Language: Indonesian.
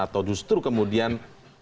atau justru kemudian